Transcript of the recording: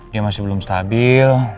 dia masih belum stabil